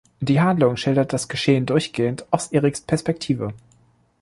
Die Handlung schildert das Geschehen durchgehend aus Eriks Perspektive.